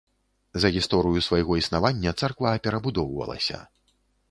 За гісторыю свайго існавання царква перабудоўвалася.